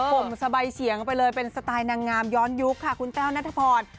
ผมสบายเฉียงไปเลยเป็นสไตล์นางงามย้อนยุคค่ะคุณแต้วนัทพร